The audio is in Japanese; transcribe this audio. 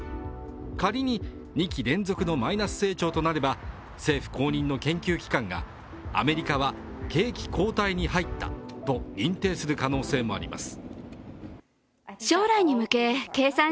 仮に２期連続のマイナス成長となれば政府公認の研究機関がアメリカは景気後退に入ったと認定する可能性もあります。